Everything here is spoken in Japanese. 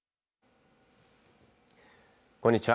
こんにちは。